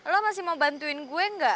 lo masih mau bantuin gue gak